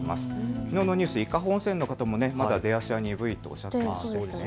きのうのニュースで伊香保温泉の方もまだ出足は鈍いと言ってましたね。